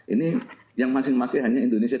ini yang masing masing hanya indonesia